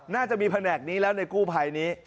น่าจะมีแผนกนี้แล้วในกู้ภัยนี้